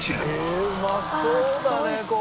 ええうまそうだねこれ。